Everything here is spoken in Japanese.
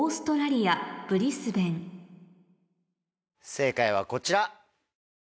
正解はこちら。